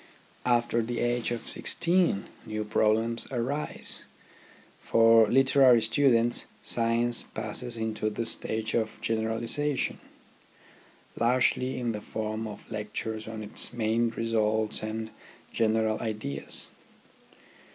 After the age of sixteen new problems arise. For literary students science passes into the stage THE RHYTHM OF EDUCATION 25 of generalization, largely in the form of lectures on its main results and general ideas.